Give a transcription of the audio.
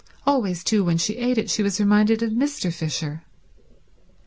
Always, too, when she ate it she was reminded of Mr. Fisher.